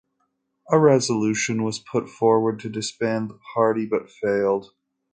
A resolution was put forward to disband the party, but failed.